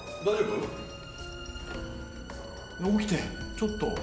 ちょっと。